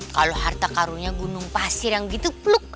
kalau harta karunnya gunung pasir yang gitu peluk